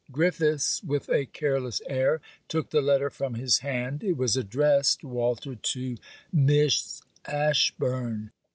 Griffiths with a careless air took the letter from his hand. It was addressed, Walter, to Miss Ashburn.